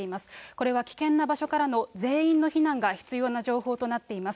これは危険な場所からの全員の避難が必要な情報となっています。